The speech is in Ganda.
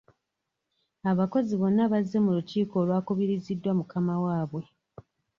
Abakozi bonna baazze mu lukiiko olwakubiriziddwa mukama waabwe.